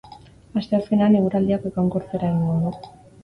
Asteazkenean eguraldiak egonkortzera egingo du.